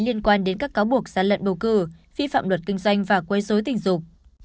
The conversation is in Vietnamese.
liên quan đến các cáo buộc gián lận bầu cử phi phạm luật kinh doanh và quay rối tình dục